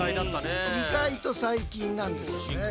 意外と最近なんですよね。